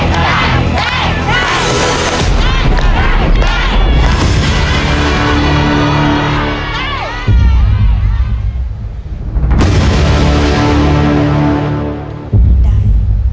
ไม่ได้